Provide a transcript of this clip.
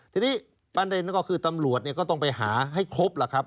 ทีนี้ปัญญาเรียนก็คือตำรวจก็ต้องไปหาให้ครบ